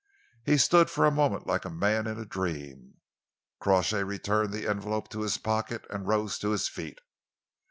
He stood for a moment like a man in a dream. Crawshay returned the envelope to his pocket and rose to his feet.